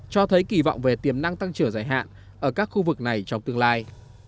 cho thấy kỳ vọng về tiềm năng tăng trở dài hạn ở các khu vực này trong tương lai